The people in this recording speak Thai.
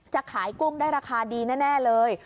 จะขายกุ้งได้ราคาดีแน่เลย